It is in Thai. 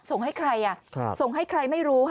ส่งให้ใครส่งให้ใครไม่รู้ค่ะ